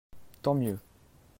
Tant mieux.